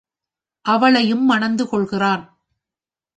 அவளையும் மணந்து கொள்கிறான்.